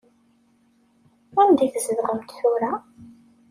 Anda i tzedɣemt tura?